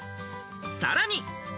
さらに。